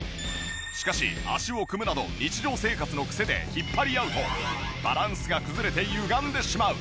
しかし足を組むなど日常生活の癖で引っ張り合うとバランスが崩れてゆがんでしまう。